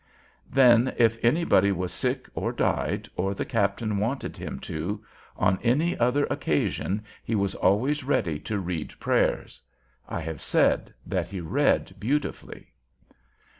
Then if anybody was sick or died, or if the captain wanted him to, on any other occasion, he was always ready to read prayers. I have said that he read beautifully.